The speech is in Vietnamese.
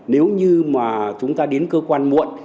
nếu như mà chúng ta đến cơ quan muộn